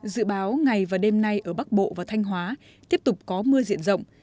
dự báo ngày và đêm nay ở bắc bộ và thanh hóa tiếp tục có mưa diện rộng